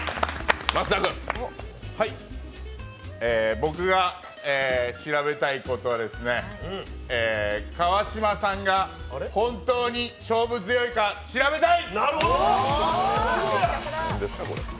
僕が調べたいことは川島さんが本当に勝負強いか調べたい！